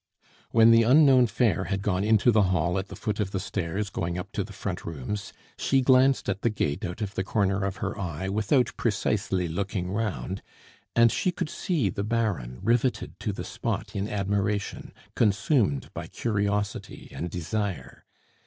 When the unknown fair had gone into the hall at the foot of the stairs going up to the front rooms, she glanced at the gate out of the corner of her eye without precisely looking round, and she could see the Baron riveted to the spot in admiration, consumed by curiosity and desire.